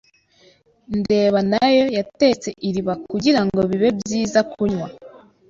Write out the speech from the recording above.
ndeba nayo yatetse iriba kugirango bibe byiza kunywa.